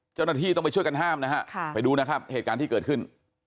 เจ้าหน้าที่ต้องไปช่วยกันห้ามนะฮะไปดูนะครับเหตุการณ์ที่เกิดขึ้น